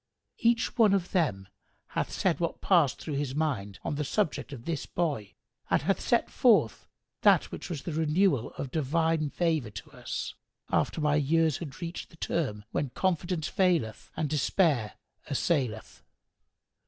Each one of them hath said what passed through his mind on the subject of this boy and hath set forth that which was of the renewal of divine favour to us, after my years had reached the term when confidence faileth and despair assaileth.